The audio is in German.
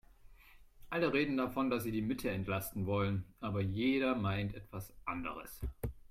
Alle reden davon, dass sie die Mitte entlasten wollen, aber jeder meint etwas anderes.